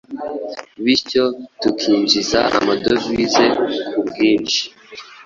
Bityo tukinjiza amadovize ku bwinshi.